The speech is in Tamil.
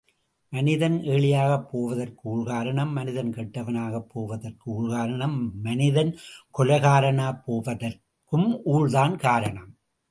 மனிதன் ஏழையாகப் போவதற்கு ஊழ் காரணம் மனிதன் கெட்டவனாகப் போவதற்கு ஊழ்காரணம் மனிதன் கொலைகாரனாகப் போவதற்கும் ஊழ்தான் காரணம்!